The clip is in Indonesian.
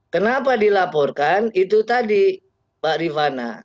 kenapa dilaporkan itu tadi mbak rifana